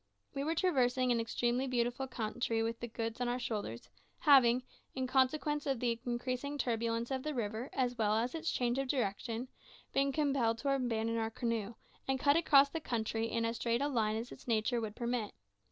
We were traversing an extremely beautiful country with the goods on our shoulders, having, in consequence of the increasing turbulence of the river as well as its change of direction, been compelled to abandon our canoe, and cut across the country in as straight a line as its nature would permit.